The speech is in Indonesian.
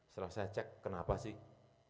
setelah saya cek kenapa sih